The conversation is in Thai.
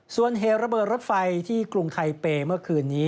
ส่วนเหตุระเบิดรถไฟที่กรุงไทเปย์เมื่อคืนนี้